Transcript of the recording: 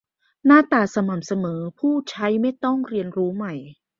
- หน้าตาสม่ำเสมอ ผู้ใช้ไม่ต้องเรียนรู้ใหม่